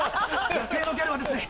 野生のギャルはですね